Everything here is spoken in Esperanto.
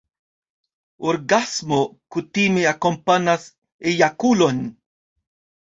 Orgasmo kutime akompanas ejakulon.